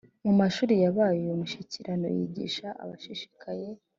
Mu mashuri yabaye umushirakinyoma, yigisha ashishikaye;